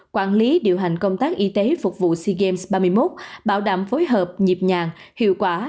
quản lý điều hành công tác y tế phục vụ sea games ba mươi một bảo đảm phối hợp nhịp nhàng hiệu quả